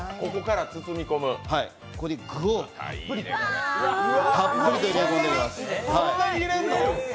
具をたっぷりと入れ込んでいきます。